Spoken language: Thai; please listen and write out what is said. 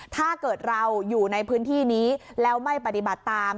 ถ้าเกิดเราอยู่ในพื้นที่นี้แล้วไม่ปฏิบัติตาม